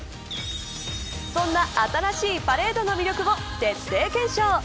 そんな新しいパレードの魅力を徹底検証。